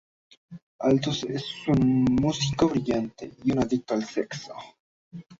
Aldous es un músico brillante y un adicto al sexo.